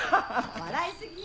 笑い過ぎよ。